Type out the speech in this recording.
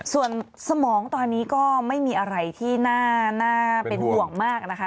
ส่วนสมองตอนนี้ก็ไม่มีอะไรที่น่าเป็นห่วงมากนะคะ